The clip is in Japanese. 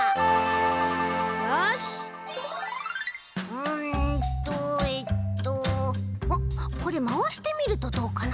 うんとえっとおっこれまわしてみるとどうかな？